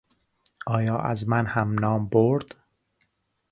آیا از من هم نام برد؟